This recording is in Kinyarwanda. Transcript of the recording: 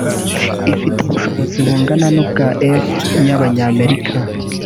ifite ubushobozi bungana n’ubwa F- y’ Abanyamerika